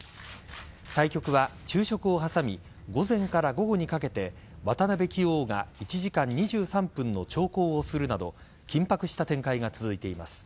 対局は昼食を挟み午前から午後にかけて渡辺棋王が１時間２３分の長考をするなど緊迫した展開が続いています。